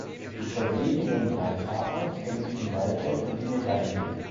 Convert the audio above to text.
Die verbliebenen drei Fahrer kämpften weiter um die Medaillen.